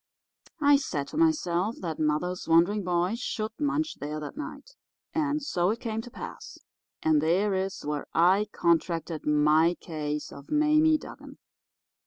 I said to myself that mother's wandering boy should munch there that night. And so it came to pass. And there is where I contracted my case of Mame Dugan.